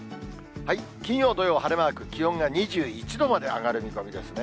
金曜、土曜、晴れマーク、気温が２１度まで上がる見込みですね。